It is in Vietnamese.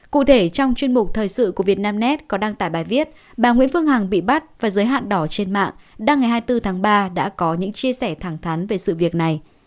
cụ thể trong chuyên mục thời sự của việt nam nét có đăng tải bài viết bà nguyễn phương hằng bị bắt và giới hạn đỏ trên mạng đăng ngày hai mươi bốn tháng ba đã có những chia sẻ thẳng thắn về sự việc này